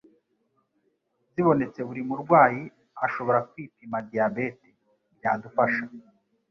zibontese buri murwayi ashoboye kwipima Diabète byadufasha